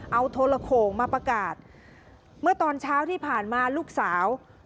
เอาโทรโขงมาประกาศเมื่อตอนเช้าที่ผ่านมาลูกสาว